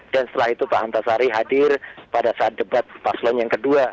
dan setelah itu pak antasari hadir pada saat debat paslon yang kedua